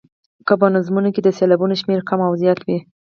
که په نظمونو کې د سېلابونو شمېر کم او زیات وي.